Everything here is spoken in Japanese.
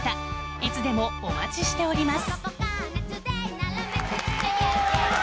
いつでもお待ちしております。